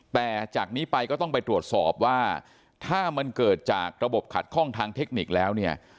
แต่จากนี้ไปก็ต้องไปตรวจสอบว่าถ้ามันเกิดจากระบบขัดข้องทางเทคนิคแล้วเนี่ย